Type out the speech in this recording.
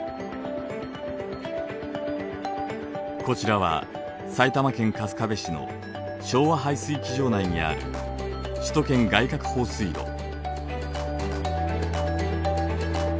こちらは埼玉県春日部市の庄和排水機場内にある首都圏外郭放水路。